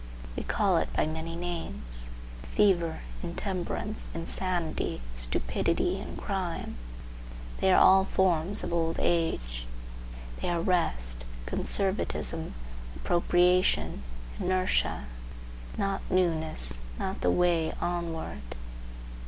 We call it by many names,—fever, intemperance, insanity, stupidity and crime; they are all forms of old age; they are rest, conservatism, appropriation, inertia; not newness, not the way onward.